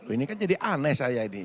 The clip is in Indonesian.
ini kan jadi aneh saya ini